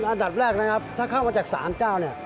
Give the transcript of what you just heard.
อันดับแรกนะครับถ้าเข้ามาจากศาลเจ้าเนี่ย